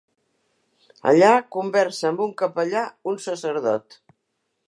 Allà conversa amb un capellà, un sacerdot.